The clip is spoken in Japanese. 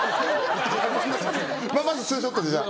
まず２ショットでじゃあ。